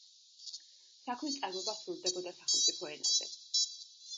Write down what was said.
საქმის წარმოება სრულდებოდა სახელმწიფო ენაზე.